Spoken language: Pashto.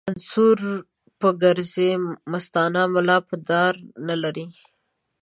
منصور به ګرځي مستانه ملا به دار نه لري